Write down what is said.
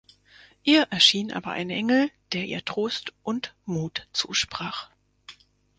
Ihr erschien aber ein Engel, der ihr Trost und Mut zusprach.